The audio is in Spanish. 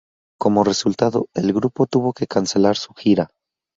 Como resultado, el grupo tuvo que cancelar su gira.